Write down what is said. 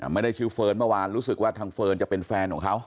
ไม่ได้ชื่อเฟิร์นเมื่อวานรู้สึกว่าทางเฟิร์นจะเป็นแฟนของเขา